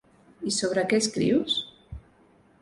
I sobre què escrius?